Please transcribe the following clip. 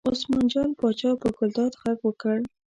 عثمان جان پاچا په ګلداد غږ وکړ.